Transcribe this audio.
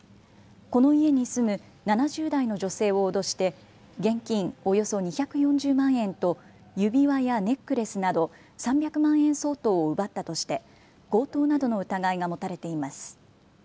この家に住む７０代の女性を脅して現金およそ２４０万円と指輪やネックレスなど３００万円相当を奪ったとして強盗などの疑いが持たれています。